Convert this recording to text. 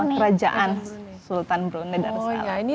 kerajaan sultan brunei darussalam